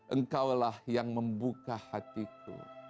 engkau lah yang membuka hatiku